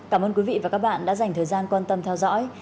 cảm ơn quý vị và các bạn đã dành thời gian quan tâm theo dõi